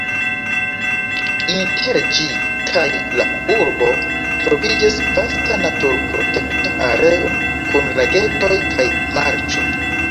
Inter ĝi kaj la urbo troviĝas vasta naturprotekta areo kun lagetoj kaj marĉo.